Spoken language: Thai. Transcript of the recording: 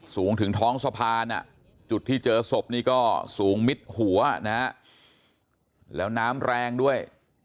สูงถึงท้องสะพานจุดที่เจอศพนี่ก็สูงมิดหัวนะฮะแล้วน้ำแรงด้วย